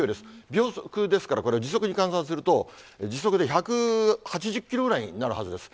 秒速ですから、これ、時速に換算すると、時速で１８０キロぐらいになるはずです。